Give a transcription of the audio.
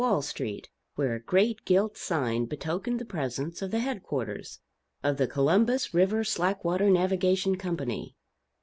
Wall street, where a great gilt sign betokened the presence of the head quarters of the "Columbus River Slack Water Navigation Company."